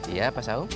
iya pak saun